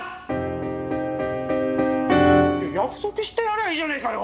約束してやりゃいいじゃねえかよ！